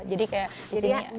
jadi kayak di sini ya